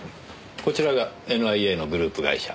こちらがＮＩＡのグループ会社。